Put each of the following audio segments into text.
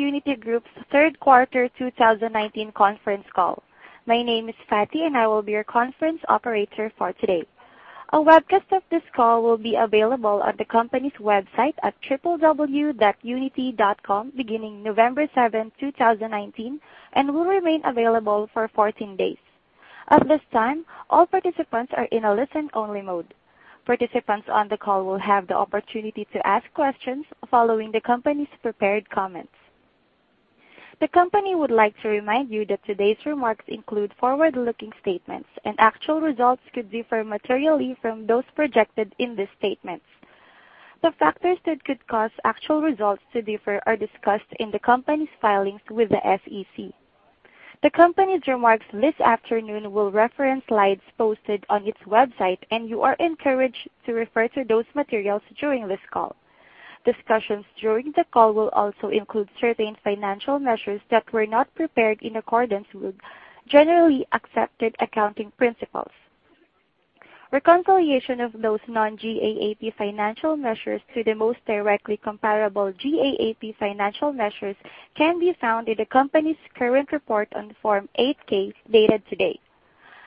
Welcome to Uniti Group's third quarter 2019 conference call. My name is Patty, and I will be your conference operator for today. A webcast of this call will be available on the company's website at www.uniti.com beginning November 7th, 2019, and will remain available for 14 days. At this time, all participants are in a listen-only mode. Participants on the call will have the opportunity to ask questions following the company's prepared comments. The company would like to remind you that today's remarks include forward-looking statements, and actual results could differ materially from those projected in these statements. The factors that could cause actual results to differ are discussed in the company's filings with the SEC. The company's remarks this afternoon will reference slides posted on its website, and you are encouraged to refer to those materials during this call. Discussions during the call will also include certain financial measures that were not prepared in accordance with Generally Accepted Accounting Principles. Reconciliation of those non-GAAP financial measures to the most directly comparable GAAP financial measures can be found in the company's current report on Form 8-K, dated today.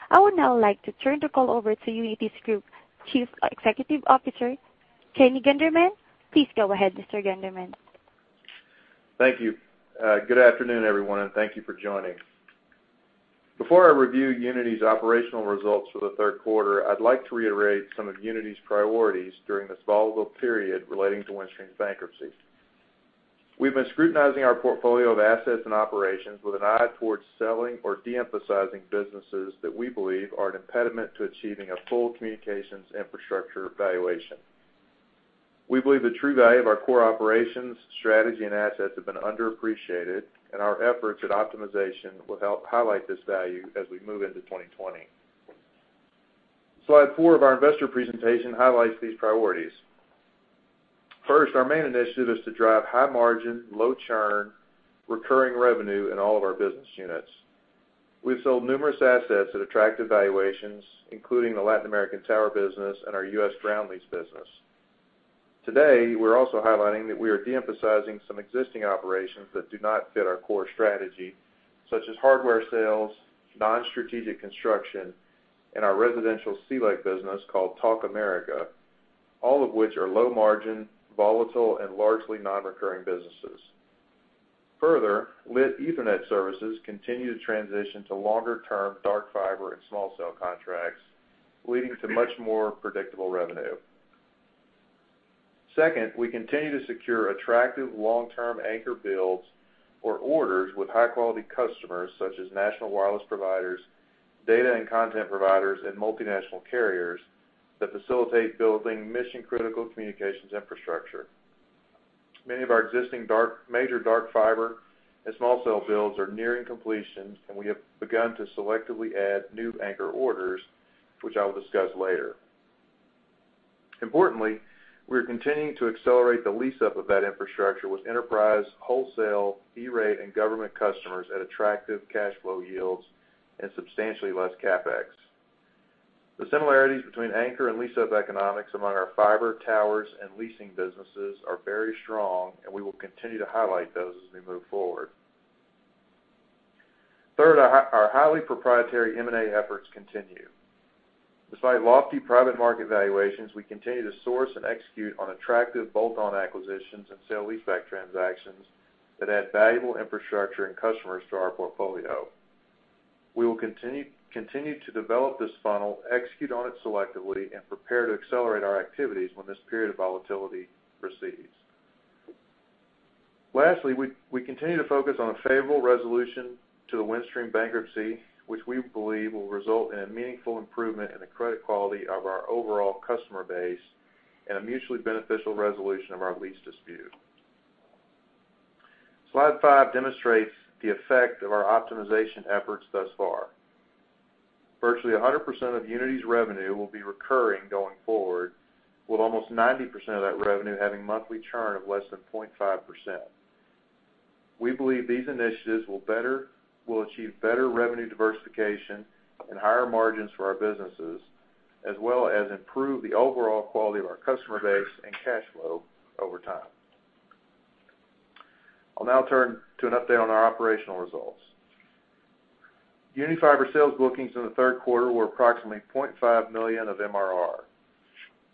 I would now like to turn the call over to Uniti Group's Chief Executive Officer, Kenny Gunderman. Please go ahead, Mr. Gunderman. Thank you. Good afternoon, everyone, and thank you for joining. Before I review Uniti's operational results for the third quarter, I'd like to reiterate some of Uniti's priorities during this volatile period relating to Windstream's bankruptcy. We've been scrutinizing our portfolio of assets and operations with an eye towards selling or de-emphasizing businesses that we believe are an impediment to achieving a full communications infrastructure valuation. We believe the true value of our core operations, strategy, and assets have been underappreciated. Our efforts at optimization will help highlight this value as we move into 2020. Slide four of our investor presentation highlights these priorities. First, our main initiative is to drive high margin, low churn, recurring revenue in all of our business units. We've sold numerous assets at attractive valuations, including the Latin American tower business and our US ground lease business. Today, we're also highlighting that we are de-emphasizing some existing operations that do not fit our core strategy, such as hardware sales, non-strategic construction, and our residential CLEC business called Talk America, all of which are low margin, volatile, and largely non-recurring businesses. Further, lit Ethernet services continue to transition to longer-term dark fiber and small cell contracts, leading to much more predictable revenue. Second, we continue to secure attractive long-term anchor builds or orders with high-quality customers such as national wireless providers, data and content providers, and multinational carriers that facilitate building mission-critical communications infrastructure. Many of our existing major dark fiber and small cell builds are nearing completion, and we have begun to selectively add new anchor orders, which I will discuss later. Importantly, we're continuing to accelerate the lease-up of that infrastructure with enterprise, wholesale, E-rate, and government customers at attractive cash flow yields and substantially less CapEx. The similarities between anchor and lease-up economics among our fiber towers and leasing businesses are very strong, and we will continue to highlight those as we move forward. Third, our highly proprietary M&A efforts continue. Despite lofty private market valuations, we continue to source and execute on attractive bolt-on acquisitions and sale leaseback transactions that add valuable infrastructure and customers to our portfolio. We will continue to develop this funnel, execute on it selectively, and prepare to accelerate our activities when this period of volatility recedes. Lastly, we continue to focus on a favorable resolution to the Windstream bankruptcy, which we believe will result in a meaningful improvement in the credit quality of our overall customer base and a mutually beneficial resolution of our lease dispute. Slide five demonstrates the effect of our optimization efforts thus far. Virtually 100% of Uniti's revenue will be recurring going forward, with almost 90% of that revenue having monthly churn of less than 0.5%. We believe these initiatives will achieve better revenue diversification and higher margins for our businesses, as well as improve the overall quality of our customer base and cash flow over time. I'll now turn to an update on our operational results. Uniti Fiber sales bookings in the third quarter were approximately $0.5 million of MRR.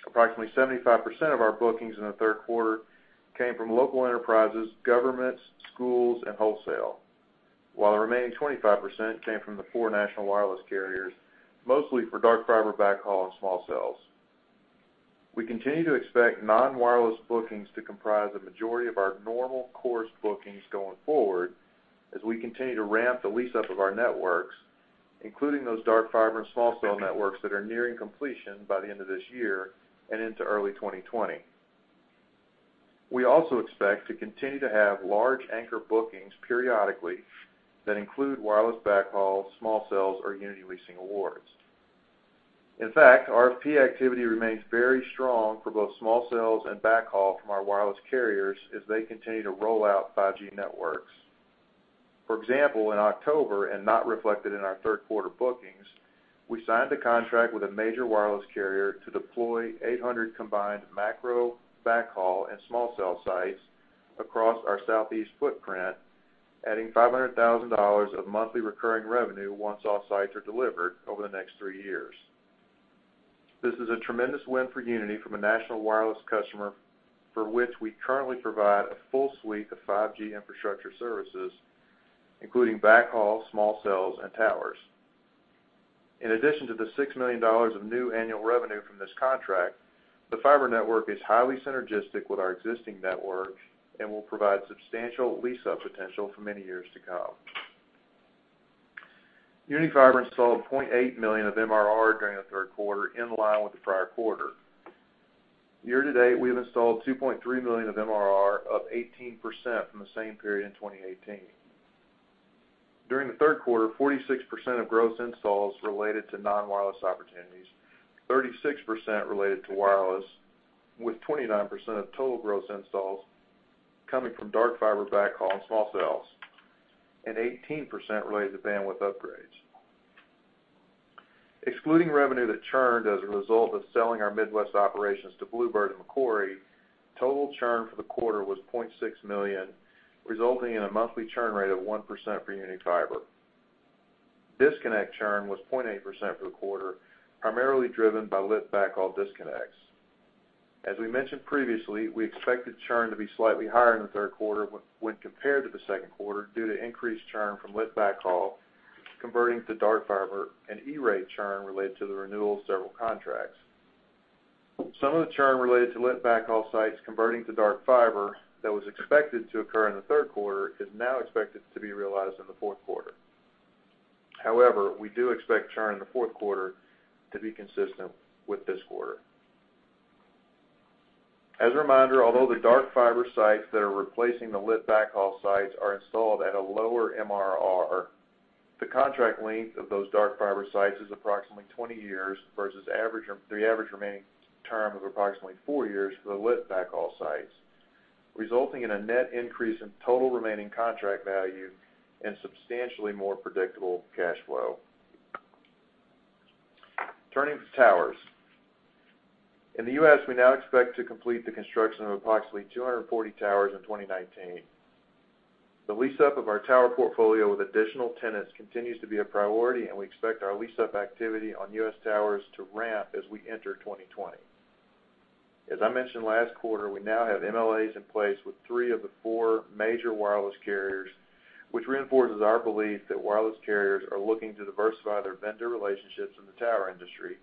Approximately 75% of our bookings in the third quarter came from local enterprises, governments, schools, and wholesale. While the remaining 25% came from the four national wireless carriers, mostly for dark fiber backhaul and small cells. We continue to expect non-wireless bookings to comprise the majority of our normal course bookings going forward as we continue to ramp the lease-up of our networks, including those dark fiber and small cell networks that are nearing completion by the end of this year and into early 2020. We also expect to continue to have large anchor bookings periodically that include wireless backhaul, small cells, or Uniti Leasing awards. In fact, RFP activity remains very strong for both small cells and backhaul from our wireless carriers as they continue to roll out 5G networks. For example, in October, and not reflected in our third quarter bookings, we signed a contract with a major wireless carrier to deploy 800 combined macro backhaul and small cell sites across our southeast footprint, adding $500,000 of monthly recurring revenue once all sites are delivered over the next three years. This is a tremendous win for Uniti from a national wireless customer for which we currently provide a full suite of 5G infrastructure services, including backhaul, small cells, and towers. In addition to the $6 million of new annual revenue from this contract, the fiber network is highly synergistic with our existing network and will provide substantial lease-up potential for many years to come. Uniti Fiber installed $0.8 million of MRR during the third quarter, in line with the prior quarter. Year to date, we have installed $2.3 million of MRR, up 18% from the same period in 2018. During the third quarter, 46% of gross installs related to non-wireless opportunities, 36% related to wireless, with 29% of total gross installs coming from dark fiber backhaul and small cells, and 18% related to bandwidth upgrades. Excluding revenue that churned as a result of selling our Midwest operations to Bluebird and Macquarie, total churn for the quarter was $0.6 million, resulting in a monthly churn rate of 1% for Uniti Fiber. Disconnect churn was 0.8% for the quarter, primarily driven by lit backhaul disconnects. As we mentioned previously, we expected churn to be slightly higher in the third quarter when compared to the second quarter due to increased churn from lit backhaul converting to dark fiber and E-rate churn related to the renewal of several contracts. Some of the churn related to lit backhaul sites converting to dark fiber that was expected to occur in the third quarter is now expected to be realized in the fourth quarter. However, we do expect churn in the fourth quarter to be consistent with this quarter. As a reminder, although the dark fiber sites that are replacing the lit backhaul sites are installed at a lower MRR, the contract length of those dark fiber sites is approximately 20 years versus the average remaining term of approximately four years for the lit backhaul sites, resulting in a net increase in total remaining contract value and substantially more predictable cash flow. Turning to towers. In the U.S., we now expect to complete the construction of approximately 240 towers in 2019. The lease-up of our tower portfolio with additional tenants continues to be a priority, and we expect our lease-up activity on U.S. towers to ramp as we enter 2020. As I mentioned last quarter, we now have MLAs in place with three of the four major wireless carriers, which reinforces our belief that wireless carriers are looking to diversify their vendor relationships in the tower industry,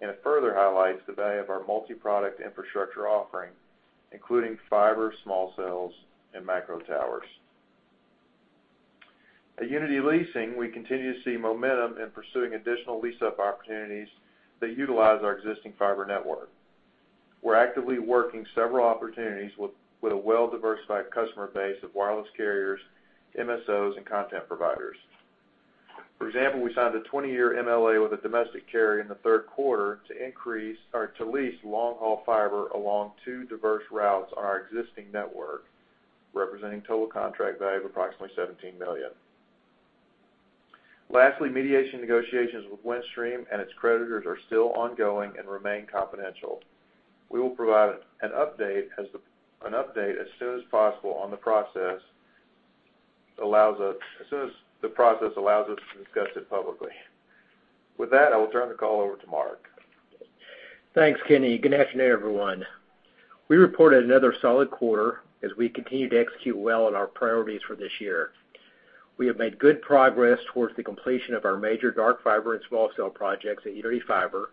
and it further highlights the value of our multi-product infrastructure offering, including fiber, small cells, and macro towers. At Uniti Leasing, we continue to see momentum in pursuing additional lease-up opportunities that utilize our existing fiber network. We're actively working several opportunities with a well-diversified customer base of wireless carriers, MSOs, and content providers. For example, we signed a 20-year MLA with a domestic carrier in the third quarter to lease long-haul fiber along two diverse routes on our existing network, representing total contract value of approximately $17 million. Lastly, mediation negotiations with Windstream and its creditors are still ongoing and remain confidential. We will provide an update as soon as possible on the process, as soon as the process allows us to discuss it publicly. With that, I will turn the call over to Mark. Thanks, Kenny. Good afternoon, everyone. We reported another solid quarter as we continue to execute well on our priorities for this year. We have made good progress towards the completion of our major dark fiber and small cell projects at Uniti Fiber,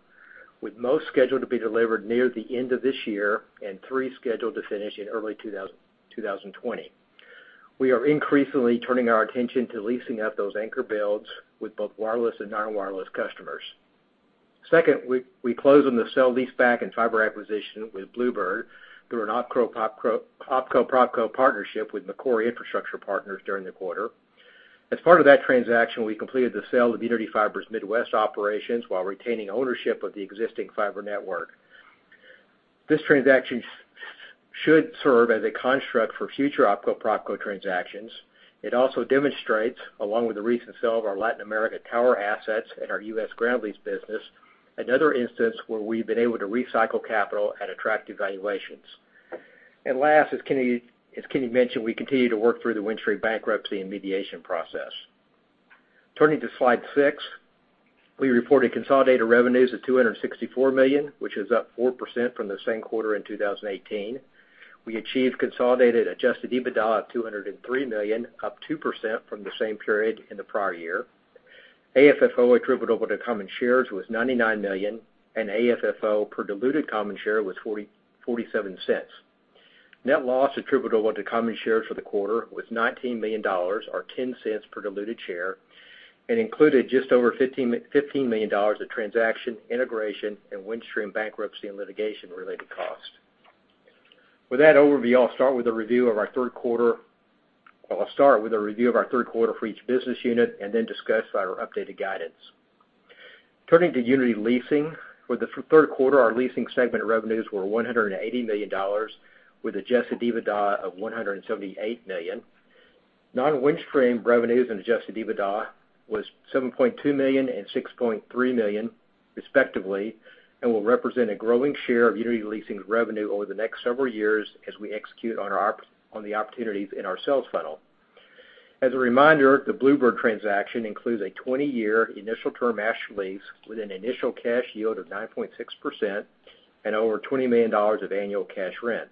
with most scheduled to be delivered near the end of this year and three scheduled to finish in early 2020. We are increasingly turning our attention to leasing up those anchor builds with both wireless and non-wireless customers. Second, we closed on the cell leaseback and fiber acquisition with Bluebird through an opco-propco partnership with Macquarie Infrastructure Partners during the quarter. As part of that transaction, we completed the sale of Uniti Fiber's Midwest operations while retaining ownership of the existing fiber network. This transaction should serve as a construct for future opco-propco transactions. It also demonstrates, along with the recent sale of our Latin America tower assets and our U.S. ground lease business, another instance where we've been able to recycle capital at attractive valuations. Last, as Kenny mentioned, we continue to work through the Windstream bankruptcy and mediation process. Turning to slide six. We reported consolidated revenues of $264 million, which is up 4% from the same quarter in 2018. We achieved consolidated adjusted EBITDA of $203 million, up 2% from the same period in the prior year. AFFO attributable to common shares was $99 million, and AFFO per diluted common share was $0.47. Net loss attributable to common shares for the quarter was $19 million, or $0.10 per diluted share, and included just over $15 million of transaction, integration, and Windstream bankruptcy and litigation-related costs. With that overview, I'll start with a review of our third quarter for each business unit and then discuss our updated guidance. Turning to Uniti Leasing, for the third quarter, our leasing segment revenues were $180 million, with adjusted EBITDA of $178 million. Non-Windstream revenues and adjusted EBITDA was $7.2 million and $6.3 million respectively, and will represent a growing share of Uniti Leasing's revenue over the next several years as we execute on the opportunities in our sales funnel. As a reminder, the Bluebird transaction includes a 20-year initial term master lease with an initial cash yield of 9.6% and over $20 million of annual cash rent.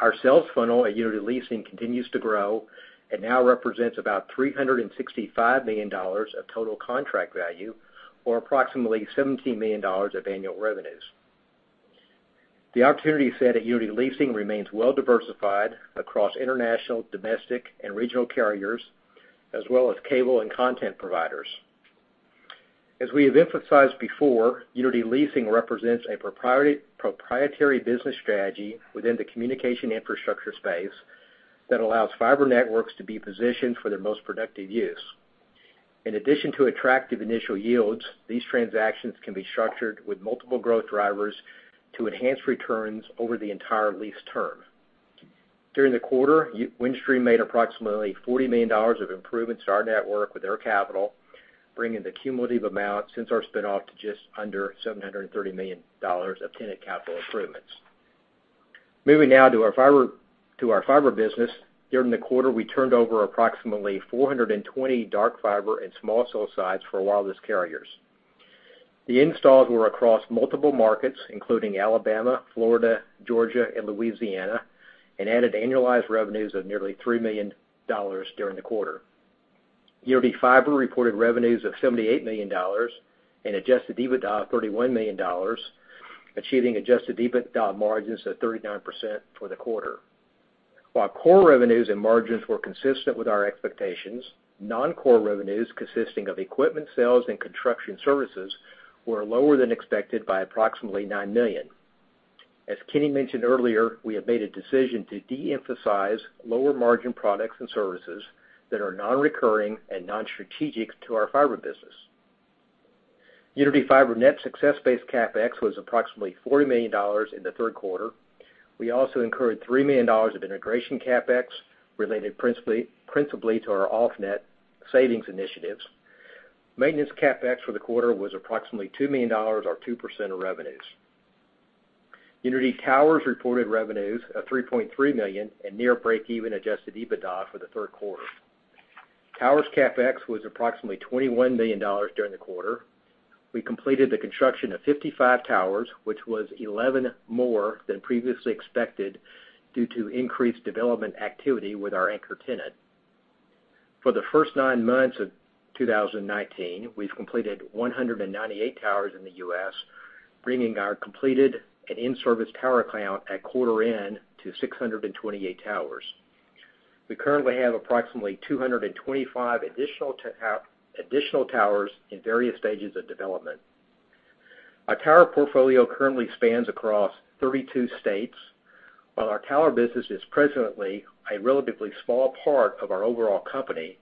Our sales funnel at Uniti Leasing continues to grow and now represents about $365 million of total contract value or approximately $17 million of annual revenues. The opportunity set at Uniti Leasing remains well-diversified across international, domestic, and regional carriers, as well as cable and content providers. As we have emphasized before, Uniti Leasing represents a proprietary business strategy within the communication infrastructure space that allows fiber networks to be positioned for their most productive use. In addition to attractive initial yields, these transactions can be structured with multiple growth drivers to enhance returns over the entire lease term. During the quarter, Windstream made approximately $40 million of improvements to our network with their capital, bringing the cumulative amount since our spin-off to just under $730 million of tenant capital improvements. Moving now to our fiber business. During the quarter, we turned over approximately 420 dark fiber and small cell sites for wireless carriers. The installs were across multiple markets, including Alabama, Florida, Georgia, and Louisiana, and added annualized revenues of nearly $3 million during the quarter. Uniti Fiber reported revenues of $78 million and adjusted EBITDA of $31 million, achieving adjusted EBITDA margins of 39% for the quarter. While core revenues and margins were consistent with our expectations, non-core revenues consisting of equipment sales and construction services were lower than expected by approximately $9 million. As Kenny mentioned earlier, we have made a decision to de-emphasize lower margin products and services that are non-recurring and non-strategic to our fiber business. Uniti Fiber net success-based CapEx was approximately $40 million in the third quarter. We also incurred $3 million of integration CapEx related principally to our off-net savings initiatives. Maintenance CapEx for the quarter was approximately $2 million or 2% of revenues. Uniti Towers reported revenues of $3.3 million and near break-even adjusted EBITDA for the third quarter. Towers CapEx was approximately $21 million during the quarter. We completed the construction of 55 towers, which was 11 more than previously expected due to increased development activity with our anchor tenant. For the first nine months of 2019, we've completed 198 towers in the U.S., bringing our completed and in-service tower count at quarter end to 628 towers. We currently have approximately 225 additional towers in various stages of development. Our tower portfolio currently spans across 32 states. While our tower business is presently a relatively small part of our overall company,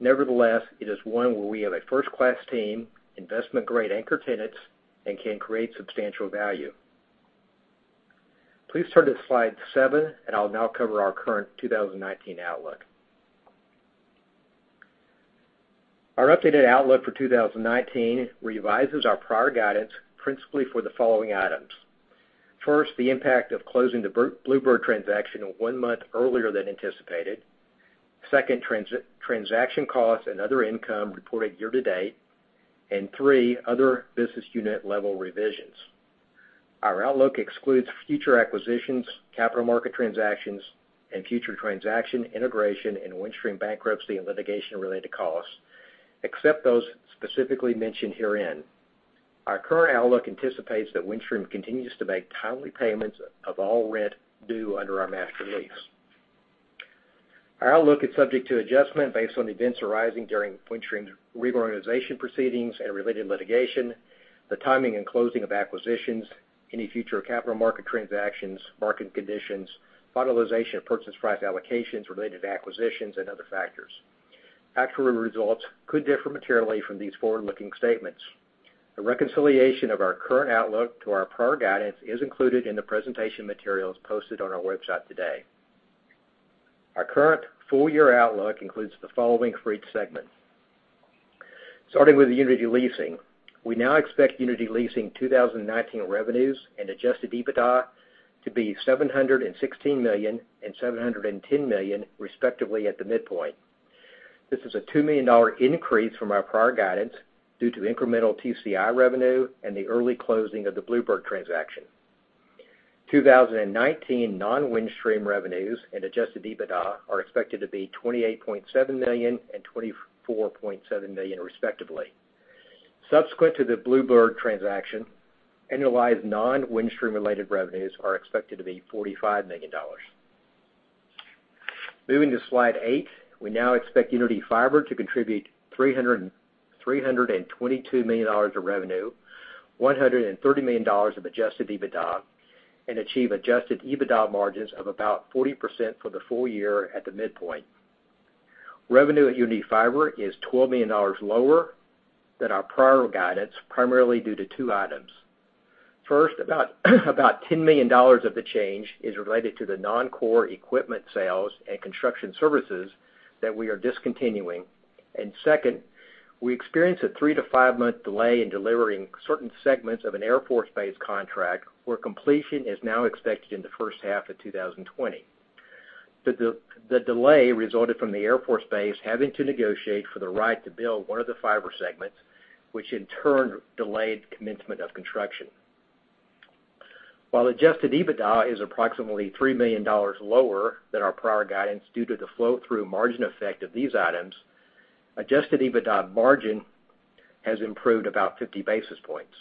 nevertheless, it is one where we have a first-class team, investment-grade anchor tenants, and can create substantial value. Please turn to slide seven, and I'll now cover our current 2019 outlook. Our updated outlook for 2019 revises our prior guidance principally for the following items. First, the impact of closing the Bluebird transaction one month earlier than anticipated. Second, transaction costs and other income reported year to date. Three, other business unit level revisions. Our outlook excludes future acquisitions, capital market transactions, and future transaction integration and Windstream bankruptcy and litigation-related costs, except those specifically mentioned herein. Our current outlook anticipates that Windstream continues to make timely payments of all rent due under our master lease. Our outlook is subject to adjustment based on events arising during Windstream's reorganization proceedings and related litigation, the timing and closing of acquisitions, any future capital market transactions, market conditions, finalization of purchase price allocations related to acquisitions, and other factors. Actual results could differ materially from these forward-looking statements. A reconciliation of our current outlook to our prior guidance is included in the presentation materials posted on our uniti.com today. Our current full-year outlook includes the following for each segment. Starting with Uniti Leasing, we now expect Uniti Leasing 2019 revenues and adjusted EBITDA to be $716 million and $710 million respectively at the midpoint. This is a $2 million increase from our prior guidance due to incremental TCI revenue and the early closing of the Bluebird transaction. 2019 non-Windstream revenues and adjusted EBITDA are expected to be $28.7 million and $24.7 million respectively. Subsequent to the Bluebird transaction, annualized non-Windstream-related revenues are expected to be $45 million. Moving to slide eight. We now expect Uniti Fiber to contribute $322 million of revenue, $130 million of adjusted EBITDA, and achieve adjusted EBITDA margins of about 40% for the full year at the midpoint. Revenue at Uniti Fiber is $12 million lower than our prior guidance, primarily due to two items. First, about $10 million of the change is related to the non-core equipment sales and construction services that we are discontinuing. Second, we experienced a three-to-five-month delay in delivering certain segments of an Air Force Base contract, where completion is now expected in the first half of 2020. The delay resulted from the Air Force Base having to negotiate for the right to build one of the fiber segments, which in turn delayed commencement of construction. While adjusted EBITDA is approximately $3 million lower than our prior guidance due to the flow-through margin effect of these items, adjusted EBITDA margin has improved about 50 basis points.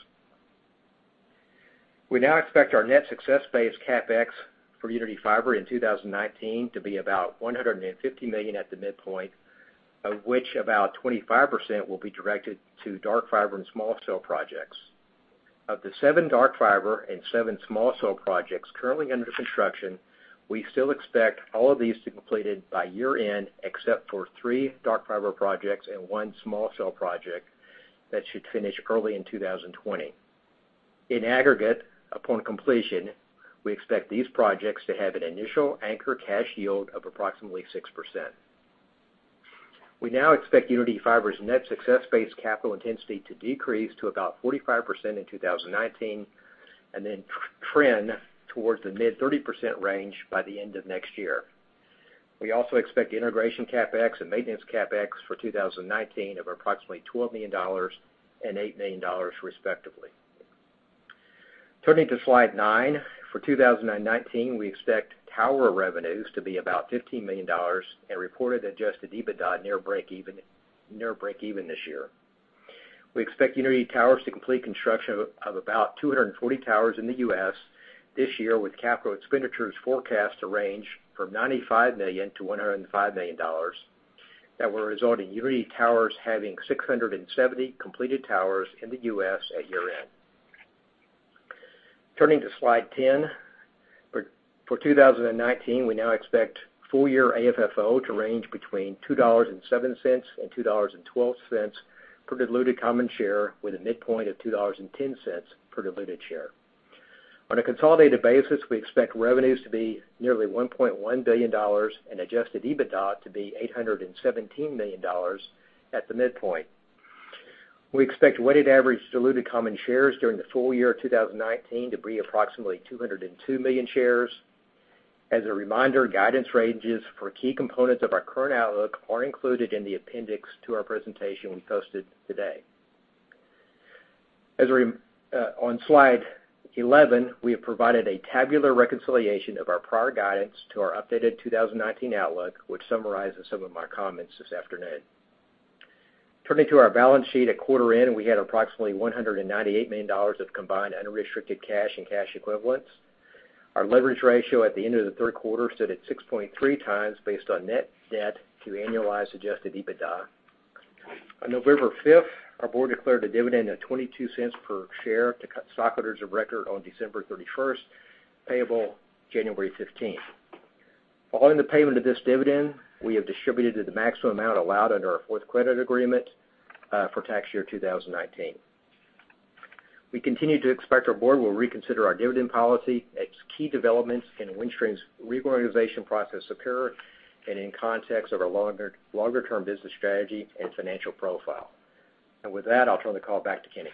We now expect our net success-based CapEx for Uniti Fiber in 2019 to be about $150 million at the midpoint, of which about 25% will be directed to dark fiber and small cell projects. Of the seven dark fiber and seven small cell projects currently under construction, we still expect all of these to be completed by year-end, except for three dark fiber projects and one small cell project that should finish early in 2020. In aggregate, upon completion, we expect these projects to have an initial anchor cash yield of approximately 6%. We now expect Uniti Fiber's net success-based capital intensity to decrease to about 45% in 2019, and then trend towards the mid-30% range by the end of next year. We also expect integration CapEx and maintenance CapEx for 2019 of approximately $12 million and $8 million respectively. Turning to slide nine. For 2019, we expect tower revenues to be about $15 million and reported adjusted EBITDA near breakeven this year. We expect Uniti Towers to complete construction of about 240 towers in the U.S. this year, with capital expenditures forecast to range from $95 million to $105 million that will result in Uniti Towers having 670 completed towers in the U.S. at year-end. Turning to slide 10. For 2019, we now expect full-year AFFO to range between $2.07 and $2.12 per diluted common share, with a midpoint of $2.10 per diluted share. On a consolidated basis, we expect revenues to be nearly $1.1 billion and adjusted EBITDA to be $817 million at the midpoint. We expect weighted average diluted common shares during the full year 2019 to be approximately 202 million shares. As a reminder, guidance ranges for key components of our current outlook are included in the appendix to our presentation we posted today. On slide 11, we have provided a tabular reconciliation of our prior guidance to our updated 2019 outlook, which summarizes some of my comments this afternoon. Turning to our balance sheet. At quarter end, we had approximately $198 million of combined unrestricted cash and cash equivalents. Our leverage ratio at the end of the third quarter stood at 6.3 times based on net debt to annualized adjusted EBITDA. On November 5th, our board declared a dividend of $0.22 per share to stockholders of record on December 31st, payable January 15th. Following the payment of this dividend, we have distributed the maximum amount allowed under our fourth credit agreement for tax year 2019. We continue to expect our board will reconsider our dividend policy as key developments in Windstream's reorganization process occur and in context of our longer-term business strategy and financial profile. With that, I'll turn the call back to Kenny.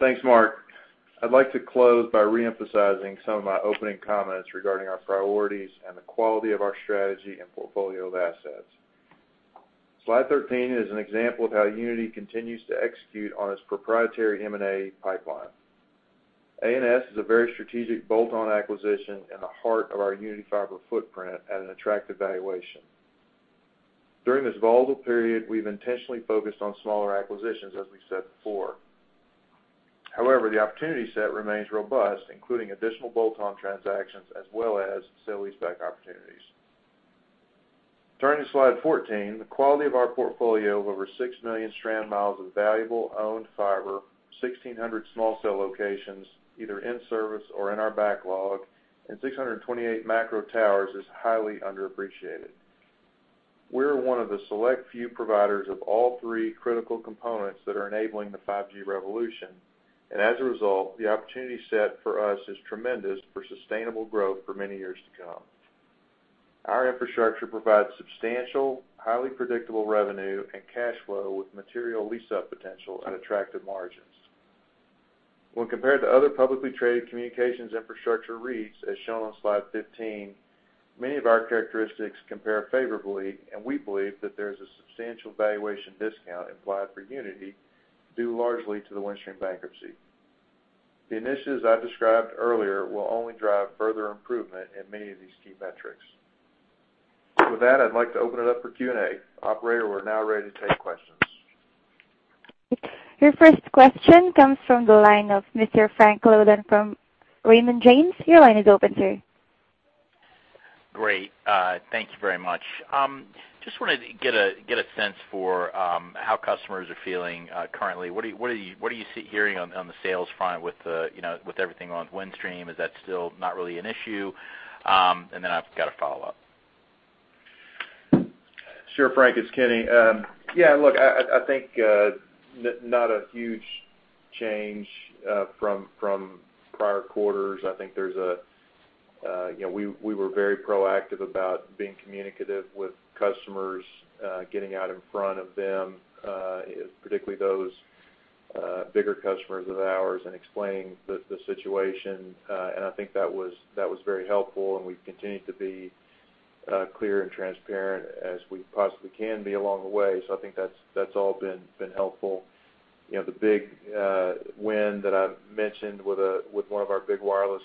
Thanks, Mark. I'd like to close by re-emphasizing some of my opening comments regarding our priorities and the quality of our strategy and portfolio of assets. Slide 13 is an example of how Uniti continues to execute on its proprietary M&A pipeline. A&S is a very strategic bolt-on acquisition in the heart of our Uniti Fiber footprint at an attractive valuation. During this volatile period, we've intentionally focused on smaller acquisitions, as we said before. However, the opportunity set remains robust, including additional bolt-on transactions as well as sale leaseback opportunities. Turning to slide 14. The quality of our portfolio of over six million strand miles of valuable owned fiber, 1,600 small cell locations, either in service or in our backlog, and 628 macro towers is highly underappreciated. We're one of the select few providers of all three critical components that are enabling the 5G revolution. As a result, the opportunity set for us is tremendous for sustainable growth for many years to come. Our infrastructure provides substantial, highly predictable revenue and cash flow with material lease-up potential at attractive margins. When compared to other publicly traded communications infrastructure REITs, as shown on slide 15, many of our characteristics compare favorably. We believe that there is a substantial valuation discount implied for Uniti due largely to the Windstream bankruptcy. The initiatives I described earlier will only drive further improvement in many of these key metrics. With that, I'd like to open it up for Q&A. Operator, we're now ready to take questions. Your first question comes from the line of Mr. Frank Louthan from Raymond James. Your line is open, sir. Great. Thank you very much. Just wanted to get a sense for how customers are feeling currently. What are you hearing on the sales front with everything on Windstream? Is that still not really an issue? I've got a follow-up. Sure, Frank, it's Kenny. Yeah, look, I think not a huge change from prior quarters. I think we were very proactive about being communicative with customers, getting out in front of them, particularly those bigger customers of ours, and explaining the situation. I think that was very helpful, and we've continued to be clear and transparent as we possibly can be along the way. I think that's all been helpful. The big win that I've mentioned with one of our big wireless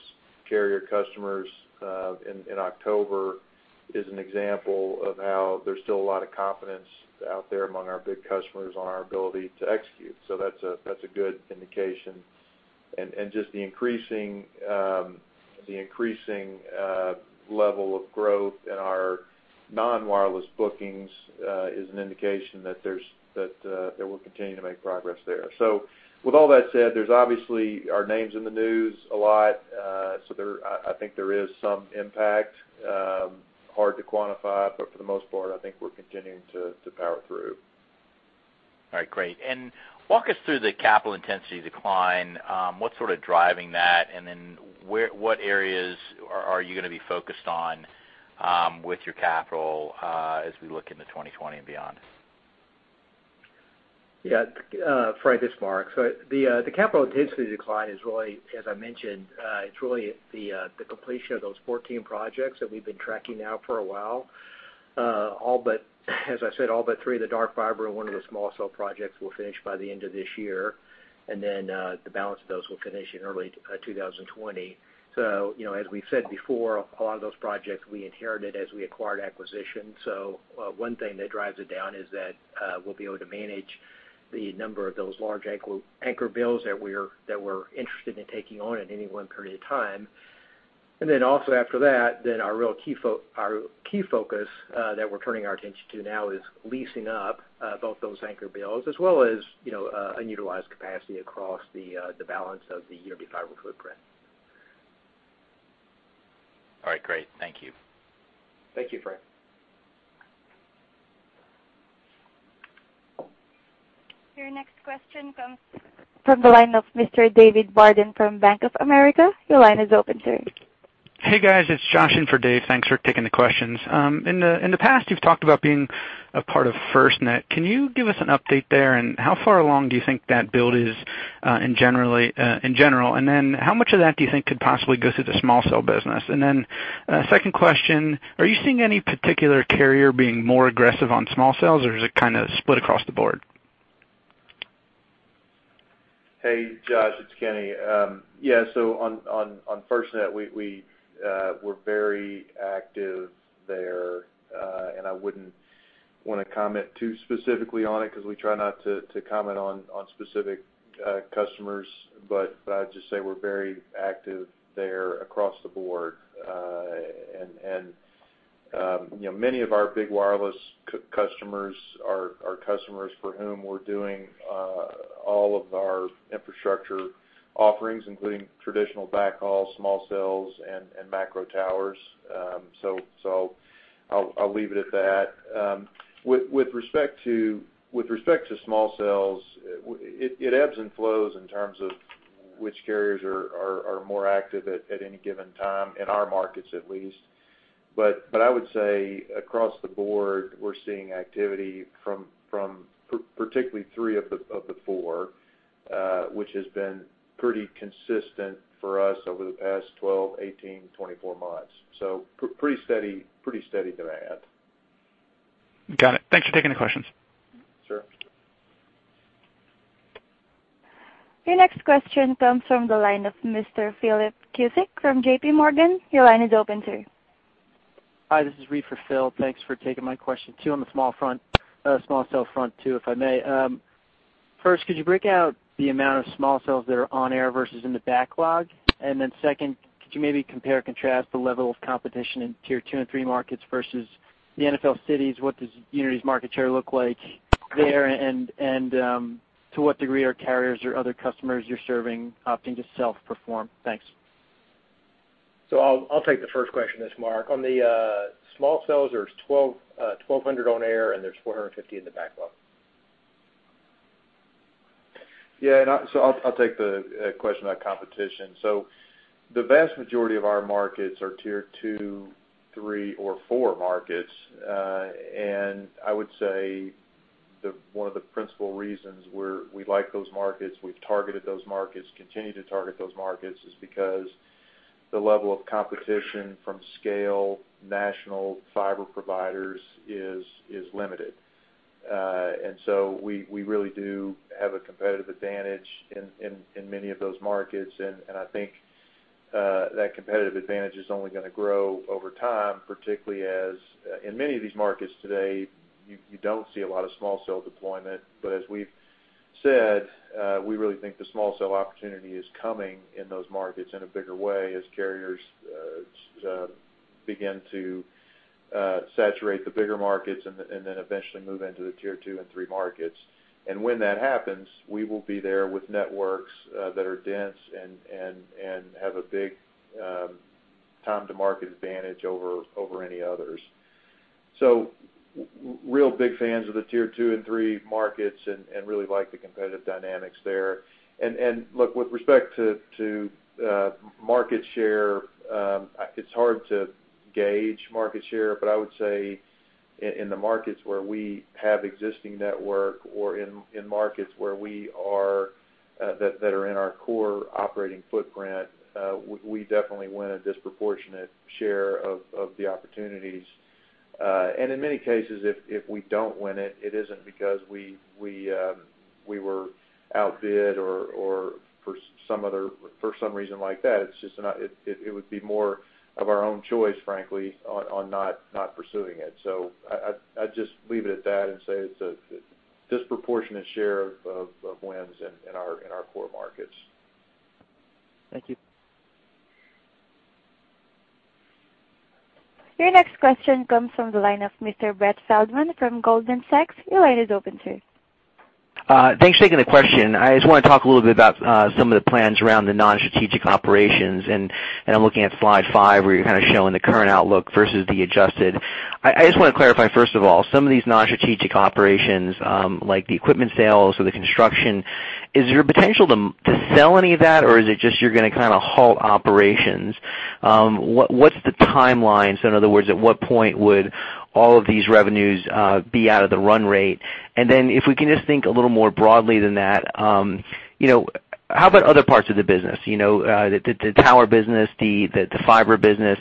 carrier customers in October is an example of how there's still a lot of confidence out there among our big customers on our ability to execute. That's a good indication. Just the increasing level of growth in our non-wireless bookings is an indication that we'll continue to make progress there. With all that said, obviously, our name's in the news a lot, so I think there is some impact. Hard to quantify, but for the most part, I think we're continuing to power through. All right, great. Walk us through the capital intensity decline. What's sort of driving that, and then what areas are you going to be focused on with your capital as we look into 2020 and beyond? Yeah. Frank, it's Mark. The capital intensity decline is really, as I mentioned, it's really the completion of those 14 projects that we've been tracking now for a while. As I said, all but three of the dark fiber and one of the small cell projects will finish by the end of this year, the balance of those will finish in early 2020. As we've said before, a lot of those projects we inherited as we acquired acquisitions. One thing that drives it down is that we'll be able to manage the number of those large anchor builds that we're interested in taking on at any one period of time. Our key focus that we're turning our attention to now is leasing up both those anchor builds as well as unutilized capacity across the balance of the Uniti Fiber footprint. All right, great. Thank you. Thank you, Frank. Your next question comes from the line of Mr. David Barden from Bank of America. Your line is open, sir. Hey, guys, it's Josh in for Dave. Thanks for taking the questions. In the past, you've talked about being a part of FirstNet. Can you give us an update there? How far along do you think that build is in general? How much of that do you think could possibly go through the small cell business? Second question, are you seeing any particular carrier being more aggressive on small cells, or is it kind of split across the board? Josh, it's Kenny. On FirstNet, we're very active there. I wouldn't want to comment too specifically on it because we try not to comment on specific customers. I'd just say we're very active there across the board. Many of our big wireless customers are customers for whom we're doing all of our infrastructure offerings, including traditional backhaul, small cells, and macro towers. I'll leave it at that. With respect to small cells, it ebbs and flows in terms of which carriers are more active at any given time, in our markets at least. I would say across the board, we're seeing activity from particularly three of the four, which has been pretty consistent for us over the past 12, 18, 24 months. Pretty steady demand. Got it. Thanks for taking the questions. Sure. Your next question comes from the line of Mr. Philip Cusick from JPMorgan. Your line is open, sir. Hi, this is Ree for Phil. Thanks for taking my question. Two on the small cell front, too, if I may. First, could you break out the amount of small cells that are on air versus in the backlog? Second, could you maybe compare and contrast the level of competition in tier 2 and 3 markets versus the NFL cities? What does Uniti's market share look like there, and to what degree are carriers or other customers you're serving opting to self-perform? Thanks. I'll take the first question. This is Mark. On the small cells, there's 1,200 on air, and there's 450 in the backlog. Yeah, I'll take the question about competition. The vast majority of our markets are tier 2, 3, or 4 markets. I would say one of the principal reasons we like those markets, we've targeted those markets, continue to target those markets, is because the level of competition from scale national fiber providers is limited. We really do have a competitive advantage in many of those markets, and I think that competitive advantage is only going to grow over time, particularly as in many of these markets today, you don't see a lot of small cell deployment. As we've said, we really think the small cell opportunity is coming in those markets in a bigger way as carriers begin to saturate the bigger markets and then eventually move into the tier 2 and 3 markets. When that happens, we will be there with networks that are dense and have a big time-to-market advantage over any others. Real big fans of the tier 2 and 3 markets and really like the competitive dynamics there. Look, with respect to market share, it is hard to gauge market share, but I would say in the markets where we have existing network or in markets that are in our core operating footprint, we definitely win a disproportionate share of the opportunities. In many cases, if we do not win it is not because we were outbid or for some reason like that, it would be more of our own choice, frankly, on not pursuing it. I would just leave it at that and say it is a disproportionate share of wins in our core markets. Thank you. Your next question comes from the line of Mr. Brett Feldman from Goldman Sachs. Your line is open, sir. Thanks for taking the question. I just want to talk a little bit about some of the plans around the non-strategic operations, and I'm looking at slide five, where you're kind of showing the current outlook versus the adjusted. I just want to clarify, first of all, some of these non-strategic operations, like the equipment sales or the construction, is there potential to sell any of that, or is it just you're going to kind of halt operations? What's the timeline? In other words, at what point would all of these revenues be out of the run rate? And then if we can just think a little more broadly than that, how about other parts of the business? The tower business, the fiber business.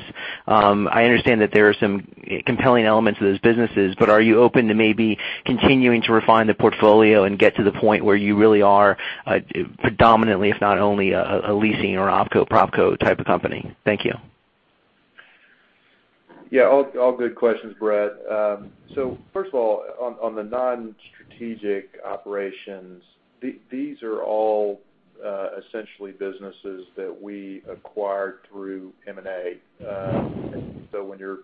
I understand that there are some compelling elements to those businesses, but are you open to maybe continuing to refine the portfolio and get to the point where you really are predominantly, if not only a leasing or opco-propco type of company? Thank you. Yeah, all good questions, Brett. First of all, on the non-strategic operations, these are all essentially businesses that we acquired through M&A. When you're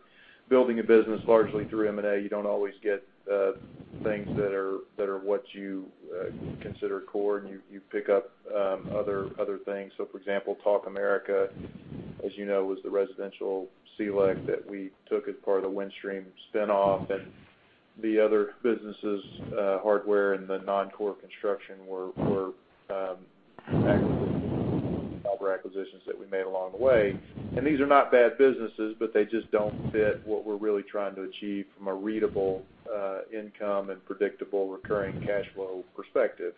building a business largely through M&A, you don't always get things that are what you consider core, and you pick up other things. For example, Talk America, as you know, was the residential CLEC that we took as part of the Windstream spin-off, and the other businesses, hardware and the non-core construction were actually fiber acquisitions that we made along the way. These are not bad businesses, but they just don't fit what we're really trying to achieve from a REIT-able income and predictable recurring cash flow perspective.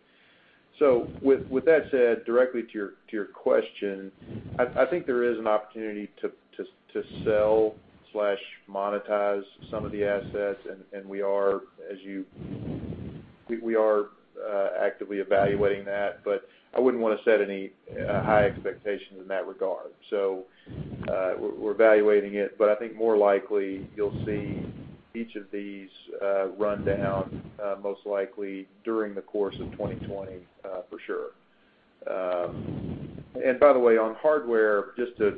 With that said, directly to your question, I think there is an opportunity to sell/monetize some of the assets, and we are actively evaluating that, but I wouldn't want to set any high expectations in that regard. We're evaluating it, but I think more likely you'll see each of these run down, most likely during the course of 2020 for sure. By the way, on hardware, just to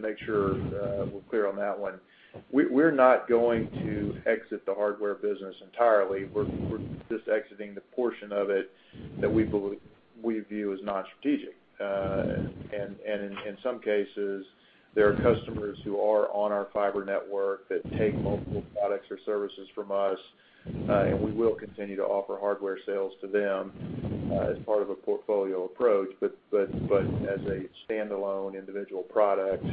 make sure we're clear on that one, we're not going to exit the hardware business entirely. We're just exiting the portion of it that we view as non-strategic. In some cases, there are customers who are on our fiber network that take multiple products or services from us, and we will continue to offer hardware sales to them as part of a portfolio approach. As a standalone individual product,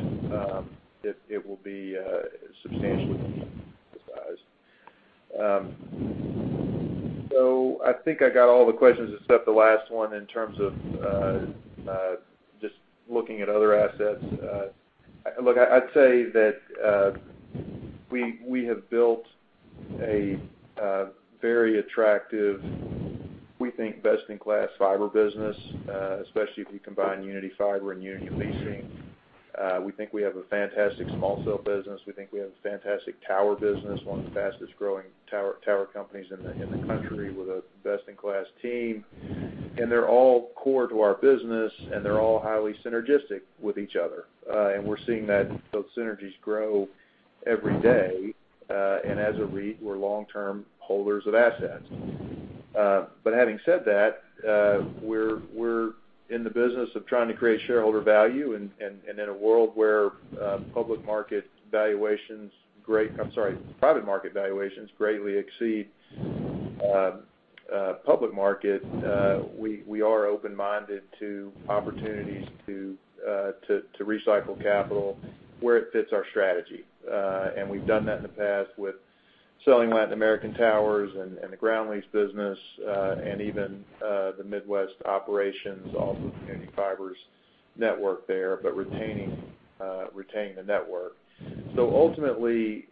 it will be substantially downsized. I think I got all the questions except the last one in terms of just looking at other assets. Look, I'd say that we have built a very attractive, we think, best-in-class fiber business, especially if you combine Uniti Fiber and Uniti Leasing. We think we have a fantastic small cell business. We think we have a fantastic tower business, one of the fastest-growing tower companies in the country with a best-in-class team. They're all core to our business, and they're all highly synergistic with each other. We're seeing those synergies grow every day. As a REIT, we're long-term holders of assets. Having said that, we're in the business of trying to create shareholder value. In a world where private market valuations greatly exceed public market, we are open-minded to opportunities to recycle capital where it fits our strategy. We've done that in the past with selling Latin American towers and the ground lease business, and even the Midwest operations, all of Uniti Fiber's network there, but retaining the network. Ultimately,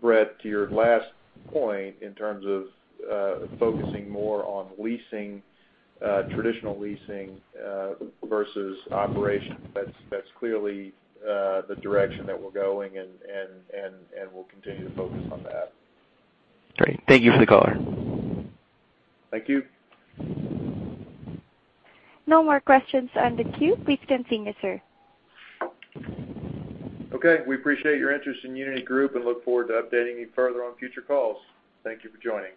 Brett, to your last point, in terms of focusing more on traditional leasing versus operations, that's clearly the direction that we're going, and we'll continue to focus on that. Great. Thank you for the color. Thank you. No more questions on the queue. Please continue, sir. Okay. We appreciate your interest in Uniti Group and look forward to updating you further on future calls. Thank you for joining.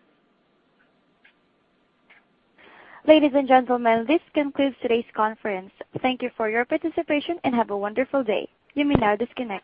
Ladies and gentlemen, this concludes today's conference. Thank you for your participation and have a wonderful day. You may now disconnect.